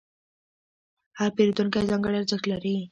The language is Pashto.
هر پیرودونکی ځانګړی ارزښت لري.